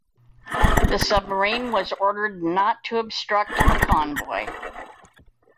The submarine was ordered not to obstruct the convoy.